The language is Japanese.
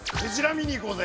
見に行こうぜ。